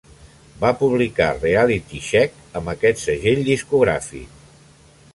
Va publicar "Reality Check" amb aquest segell discogràfic.